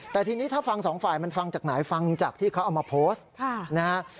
แต่ทีนี้ถ้าฟังสองฝ่ายมันฟังจากไหนฟังจากที่เขาเอามาโพสต์นะฮะ